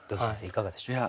いかがでしょう？